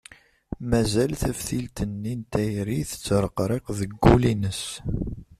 Mazal taftilt-nni n tayri tettreqriq deg wul-ines.